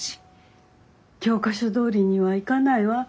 教科書どおりにはいかないわ。